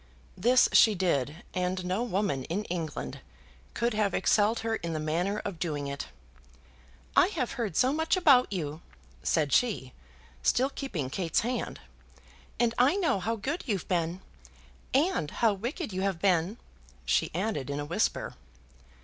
This she did, and no woman in England could have excelled her in the manner of doing it. "I have heard so much about you," said she, still keeping Kate's hand, "and I know how good you've been; and how wicked you have been," she added in a whisper.